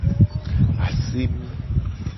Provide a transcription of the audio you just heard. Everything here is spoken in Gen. Asemi.